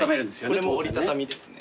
これも折り畳みですね。